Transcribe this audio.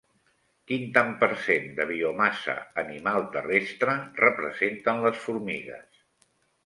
Quin tant per cent de biomassa animal terrestre representen les formigues?